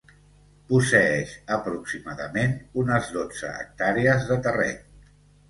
Posseeix aproximadament unes dotze hectàrees de terreny.